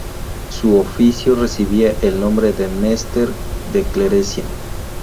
Su oficio recibía el nombre de "Mester de clerecía".